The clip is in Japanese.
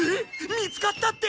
見つかったって？